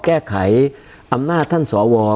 การแสดงความคิดเห็น